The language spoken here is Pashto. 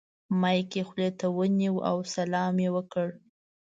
مایک یې خولې ته ونیو او سلام یې وکړ.